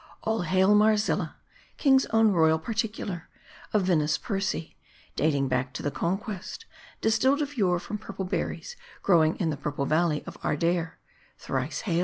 All Hail, Marzilla ! King's Own Royal Particular 1 A vinous Percy ! 'Dating back to the Conquest ! Distilled of yore from purple berries growing in the purple valley of Ardair ! Thrice hail.